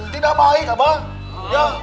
tidak baik abah